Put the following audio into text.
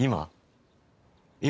今？